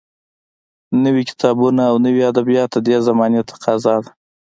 نوي کتابونه او نوي ادبیات د دې زمانې تقاضا ده